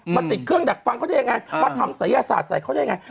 ติดเครื่องดักฟังเขาได้ยังไงมาทำศัยศาสตร์ใส่เขาได้ยังไง